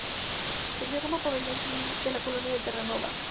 Sirvió como el pabellón civil de la Colonia de Terranova.